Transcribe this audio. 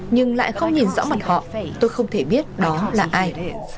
nhưng lại không nhìn rõ mặt họ tôi không thể biết đó là ai